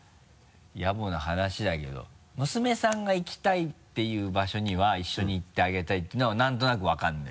やぼな話だけど娘さんが行きたいっていう場所には一緒に行ってあげたいっていうのは何となくわかるのよ。